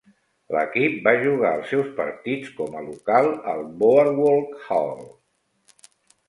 L'equip va jugar els seus partits com a local al Boardwalk Hall.